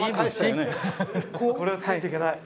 これはついていけない。